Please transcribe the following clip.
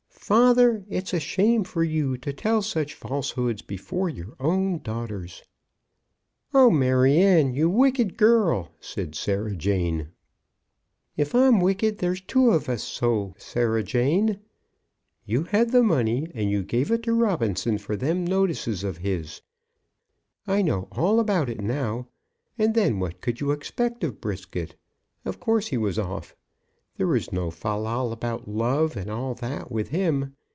"Father, it's a shame for you to tell such falsehoods before your own daughters." "Oh, Maryanne! you wicked girl!" said Sarah Jane. "If I'm wicked, there's two of us so, Sarah Jane! You had the money, and you gave it to Robinson for them notices of his. I know all about it now! And then what could you expect of Brisket? Of course he was off. There was no fal lal about love, and all that, with him.